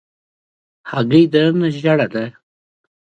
هګۍ دننه ژېړه ده.